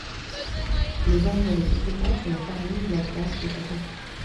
Les armures les plus fréquentes sont la charmeuse, l'atlas, le satin.